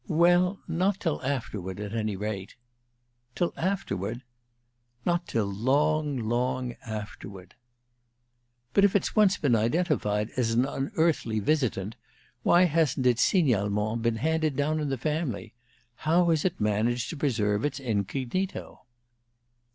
"Well not till afterward, at any rate." "Till afterward?" "Not till long, long afterward." "But if it's once been identified as an unearthly visitant, why hasn't its signalement been handed down in the family? How has it managed to preserve its incognito?"